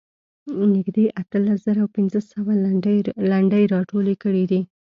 نږدې اتلس زره پنځه سوه لنډۍ راټولې کړې دي.